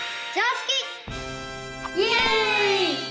イエイ！